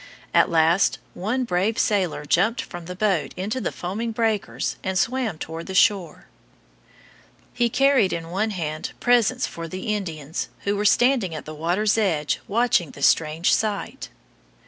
At last one brave sailor jumped from the boat into the foaming breakers and swam toward the shore. He carried in one hand presents for the Indians, who were standing at the water's edge watching the strange sight.